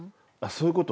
そういう事？